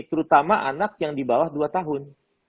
terutama anak yang di bawah dua tahun